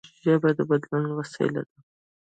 ژبه د بدلون وسیله ده.